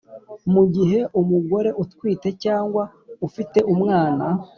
Mu gihe umugore utwite cyangwa ufite umwana